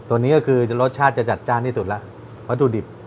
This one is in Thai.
ตัวนี้ก็คือจะรสชาติจะจัดจ้านที่สุดแล้ววัตถุดิบ